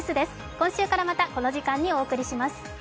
今週からまた、この時間にお送ります。